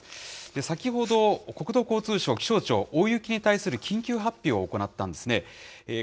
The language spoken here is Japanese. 先ほど、国土交通省、気象庁、大雪に対する緊急発表を行ったんですね。